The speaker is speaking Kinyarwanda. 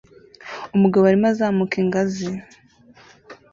Umugabo arimo azamuka ingazi